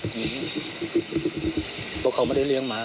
เพราะเขาไม่ได้เลี้ยงหมา